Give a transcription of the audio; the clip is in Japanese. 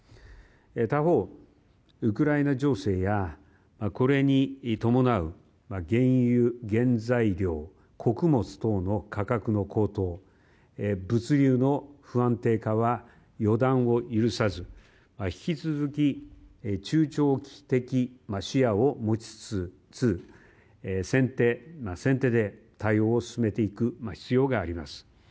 他方、ウクライナ情勢やこれに伴う原油、原材料穀物等の価格の高騰物流の不安定化は予断を許さず引き続き中長期的な視野を持ちつつ先手先手で対応を進めていく必要があります。